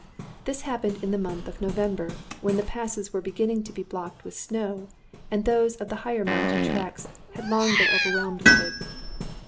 This happened in the month of November, when the passes were beginning to be blocked with snow, and those of the higher mountain tracts had long been overwhelmed with it.